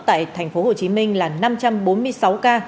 tại tp hcm là năm trăm bốn mươi sáu ca